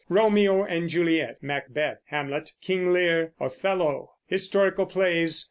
Romeo and Juliet, Macbeth, Hamlet, King Lear, Othello. Historical Plays.